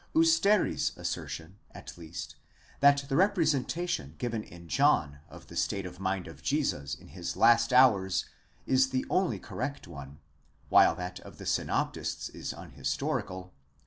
Usteri's assertion, at least, that the representation given in John of the state of mind of Jesus in his last hours is the only correct one, while that of the synoptists is unhistorical